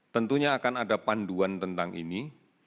tentunya akan ada panduan tentang ini